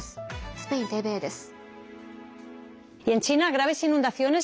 スペインＴＶＥです。